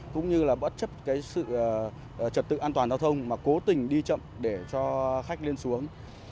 cũng như là bất chấp cái sự trật tự an toàn giao thông mà cố tình đi chậm để cho khách lên xuống